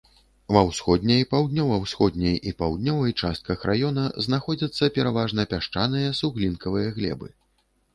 Ва ўсходняй, паўднёва-ўсходняй і паўднёвай частках раёна знаходзяцца пераважна пясчаныя суглінкавыя глебы.